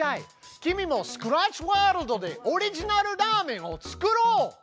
君もスクラッチワールドでオリジナルラーメンを作ろう！